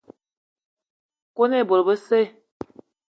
Kone bo besse